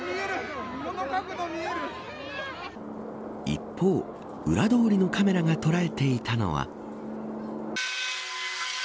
一方、裏通りのカメラが捉えていたのは。